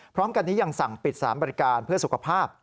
พร้อมกันนี้ยังสั่งปิดสารบริการเพื่อสุขภาพ